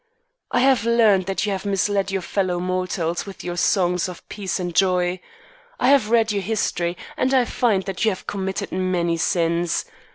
I have learned that you have misled your fellow mortals with your songs of peace and joy. I have read your history, and I find that you have committed many sins.